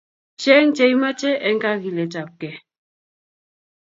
Cheng' che imache eng' kagiletabkei.